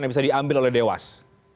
yang bisa diambil oleh dewas